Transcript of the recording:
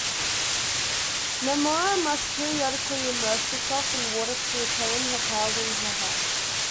Namora must periodically immerse herself in water to retain her powers and her health.